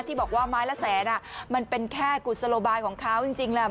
ที่บอกว่าไม้ละแสนมันเป็นแค่กุศโลบายของเขาจริงแหละ